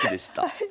はい。